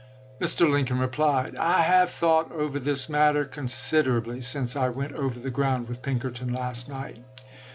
Mr. Lincoln replied :" I have thought over this matter considerably, since I went over the ground with Pinker ton last night.